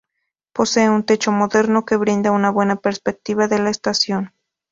Posee un techo moderno que brinda una buena perspectiva de la estación.